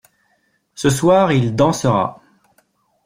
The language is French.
Ce soir il dansera.